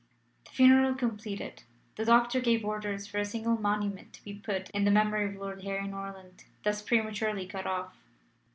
The funeral completed, the doctor gave orders for a single monument to be put in memory of Lord Harry Norland, thus prematurely cut off.